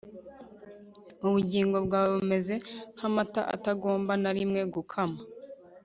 Ubugingo bwawe bumeze nkamata atagomba na rimwe gukama